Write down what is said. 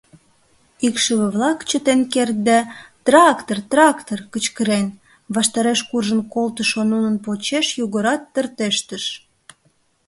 Икшыве-влак, чытен кертде, «Трактор, трактор!» кычкырен, ваштареш куржын колтышо Нунын почеш Йогорат тыртештыш.